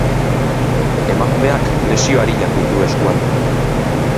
Emakumeak lesio arinak ditu eskuan.